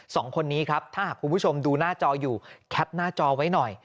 สองคนนี้ครับถ้าหากคุณผู้ชมดูหน้าจออยู่แคปหน้าจอไว้หน่อย